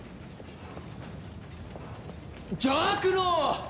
邪悪の王！